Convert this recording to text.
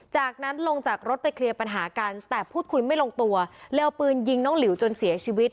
จากนั้นลงจากรถไปเคลียร์ปัญหากันแต่พูดคุยไม่ลงตัวเลยเอาปืนยิงน้องหลิวจนเสียชีวิต